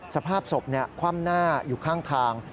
สภาพศพคว่ำหน้าอยู่ข้างทาง